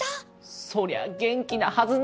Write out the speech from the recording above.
そりゃ元気なはずだ！